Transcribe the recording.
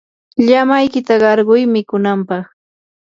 llamaykita qarquy mikunanpaq.